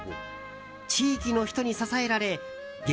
地域の人に支えられ激